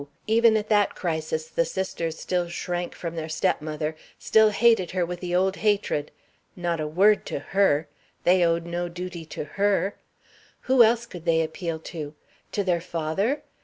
even at that crisis the sisters still shrank from their stepmother still hated her with the old hatred! Not a word to her! They owed no duty to her! Who else could they appeal to? To their father?